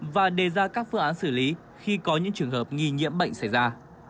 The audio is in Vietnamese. và đề ra các phương án xử lý khi có những trường hợp nghi nhiễm bệnh xảy ra